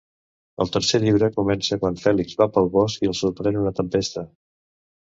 El tercer llibre comença quan Fèlix va pel bosc i el sorprèn una tempesta.